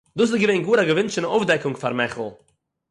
דאָס איז געווען גאָר אַ געווינטשענע אויפדעקונג פאַר מיכל